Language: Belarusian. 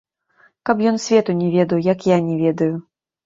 Каб ён свету не ведаў, як я не ведаю.